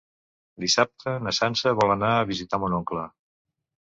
Dissabte na Sança vol anar a visitar mon oncle.